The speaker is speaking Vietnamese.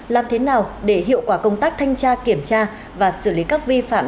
làm thế nào để hiệu quả công tác thanh tra kiểm tra và xử lý các vi phạm